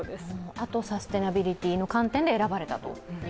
あとサステナビリティーの観点で選ばれたと。